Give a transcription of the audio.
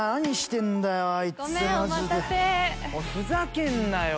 おいふざけんなよ！